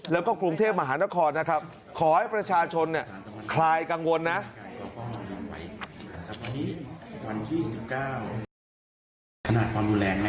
แล้วก็กรุงเทพมหานครนะครับขอให้ประชาชนคลายกังวลนะ